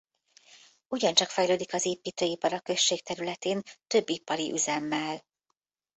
Ugyancsak fejlődik az építőipar a község területén több ipari üzemmel.